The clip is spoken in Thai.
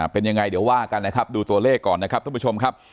เป็นยังไงเดี๋ยวว่ากันนะครับดูตัวเลขก่อนนะครับท่านผู้ชมครับ